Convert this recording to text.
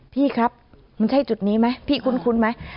พี่ครับมันใช่จุดนี้ไหมพี่คุ้นไหม